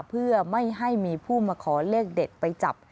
เพื่อไม่ให้มีผู้มาขอเลขเด็ดไปจับ